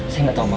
saya gak tau mbak